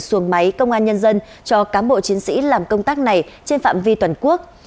xuồng máy công an nhân dân cho cán bộ chiến sĩ làm công tác này trên phạm vi toàn quốc